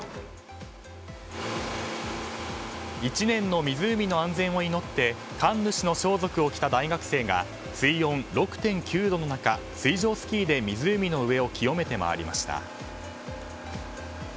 １年の湖の安全を祈って神主の装束を着た大学生が水温６．９度の中水上スキーで湖の上を清めて回りました。